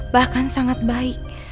bahkan sangat baik